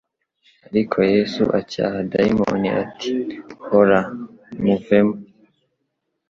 Ariko Yesu acyaha daimoni ati :« Hora, muyemo. »